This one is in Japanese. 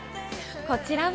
こちらは。